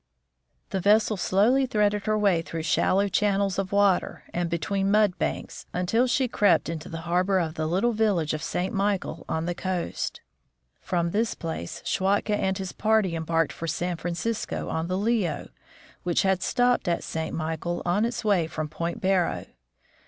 The vessel slowly threaded her way through shallow channels of water and between mud banks, until she crept into the harbor of the little village of St. Michael on the coast. From this place Schwatka and his party embarked for San Francisco on the Leo, which had stopped at St. Michael on its way from Point Barrow.